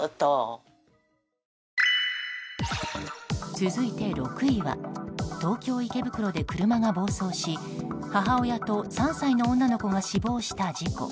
続いて６位は、東京・池袋で車が暴走し母親と３歳の女の子が死亡した事故。